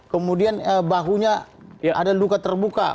kemudian bahunya ada luka terbuka